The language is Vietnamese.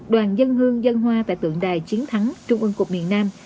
đoàn dân hương dân hoa tại tượng đài chiến thắng trung ương cục miền nam